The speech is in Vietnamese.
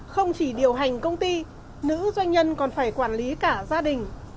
không chỉ điều hành công ty nữ doanh nhân còn phải quản lý cả gia đình